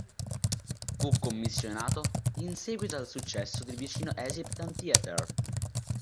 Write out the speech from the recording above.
Fu commissionato in seguito al successo del vicino Egyptian Theatre.